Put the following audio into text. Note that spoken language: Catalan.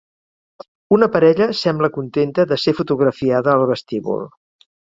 Una parella sembla contenta de ser fotografiada al vestíbul.